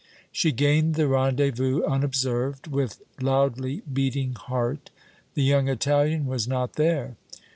She gained the rendezvous unobserved, with loudly beating heart. The young Italian was not there.